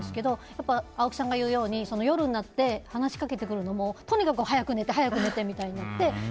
やっぱり、青木さんが言うように夜になって話しかけてくるのもとにかく早く寝てみたいな。